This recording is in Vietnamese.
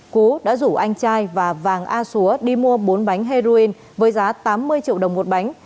cú đã rủ anh trai và vàng a xúa đi mua bốn bánh heroin với giá tám mươi triệu đồng một bánh